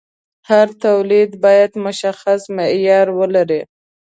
هر تولید باید مشخص معیار ولري.